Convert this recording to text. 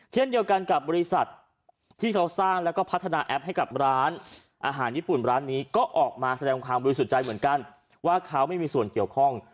เช่นเดียวกันกับบริษัทที่เขาสร้างแล้วก็พัฒนาแอปให้กับร้านอาหารญี่ปุ่นร้านนี้ก็ออกมาแสดงความบริสุทธิ์ใจเหมือนกันว่าเขาไม่มีส่วนเกี่ยวข้อง